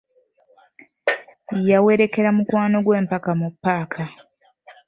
Yawerekera mukwano gwe mpaka mu paaka.